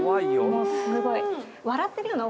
もうすごい！